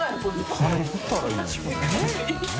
お金取ったらいいのにな。